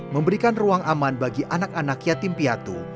memberikan ruang aman bagi anak anak yatim piatu